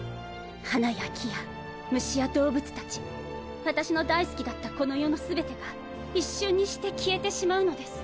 花や木や虫や動物達私の大好きだったこの世の全てが一瞬にして消えてしまうのです。